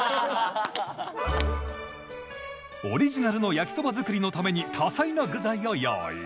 オリジナルの焼きそば作りのために多彩な具材を用意。